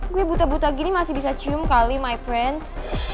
gue buta buta gini masih bisa cium kali my prince